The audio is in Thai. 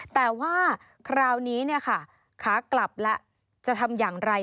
แต่ว่าคราวนี้เนี่ยค่ะขากลับแล้วจะทำอย่างไร